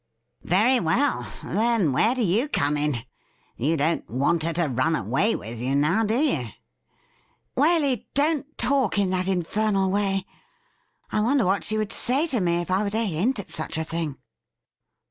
' Very well. Then, where do you come in ? You don't want her to run away with you, now, do you ?'' Waley, don't talk in that infernal way. I wonder what she would say to me if I were to hint at such a thing.'